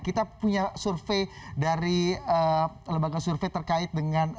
kita punya survei dari lembaga survei terkait dengan